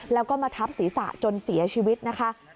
แล้วก็มาทับศีรษะจนเสียชีวิตนะคะ